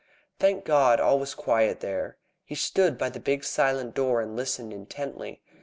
Thank God! all was quiet there. He stood by the big silent door and listened intently.